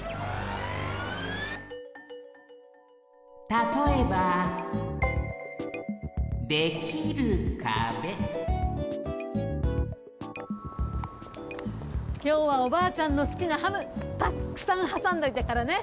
たとえばきょうはおばあちゃんのすきなハムたっくさんはさんどいたからね。